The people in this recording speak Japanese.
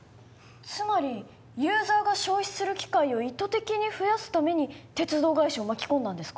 つまりユーザーが消費する機会を意図的に増やすために鉄道会社を巻き込んだんですか？